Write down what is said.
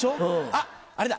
あっあれだ！